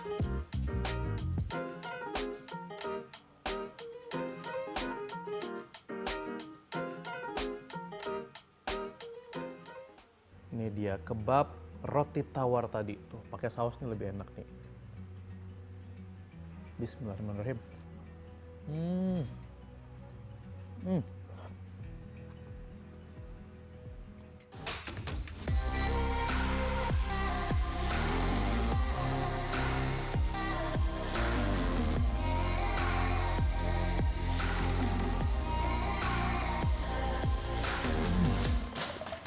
ini dia kebab roti tawar tadi tuh pakai saus lebih enak nih bismillahirrohmanirrohim